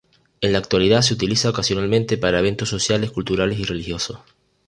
En la actualidad se utiliza ocasionalmente para eventos sociales, culturales y religiosos.